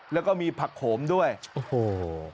แล้วก็มีผักโขมด้วยโอ้โห